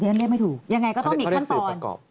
ฉันเรียกไม่ถูกยังไงก็ต้องมีขั้นตอน